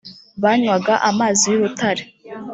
banywaga amazi y urutare